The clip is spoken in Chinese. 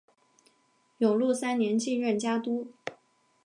永禄三年继承家督。